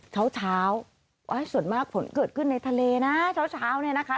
เช้าเช้าโอ้ยส่วนมากฝนเกิดขึ้นในทะเลน่ะเช้าเช้าเนี่ยนะคะ